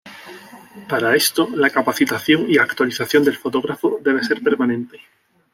Para esto la capacitación y actualización del fotógrafo debe ser permanente.